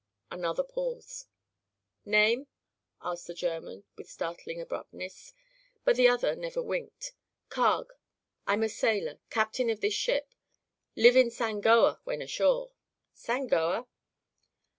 Another pause. "Name?" asked the German, with startling abruptness. But the other never winked. "Carg. I'm a sailor. Captain of this ship. Live in Sangoa, when ashore." "Sangoa?"